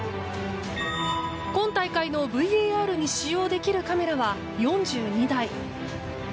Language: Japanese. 今大会のＶＡＲに使用できるカメラは４２台。